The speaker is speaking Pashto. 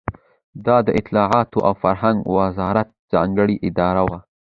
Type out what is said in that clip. دا د اطلاعاتو او فرهنګ وزارت ځانګړې اداره وه.